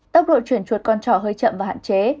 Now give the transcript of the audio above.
tốc độ chuyển chuột con trò hơi chậm và hạn chế